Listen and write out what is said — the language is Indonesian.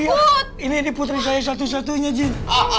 lihat ini putri saya satu satunya jin